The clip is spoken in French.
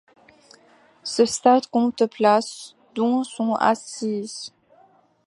Ce stade compte places, dont sont assises.